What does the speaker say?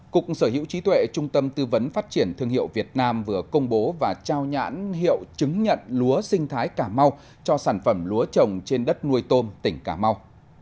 cục sở hữu trí tuệ trung tâm tư vấn phát triển thương hiệu việt nam vừa công bố và trao nhãn hiệu chứng nhận lúa sinh thái cà mau cho sản phẩm lúa trồng trên đất nuôi tôm tỉnh cà mau